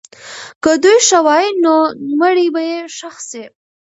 که دوی ښه ووایي، نو مړی به یې ښخ سي.